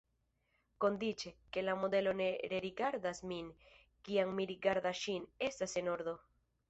Kondiĉe, ke la modelo ne rerigardas min, kiam mi rigardas ŝin, estas en ordo.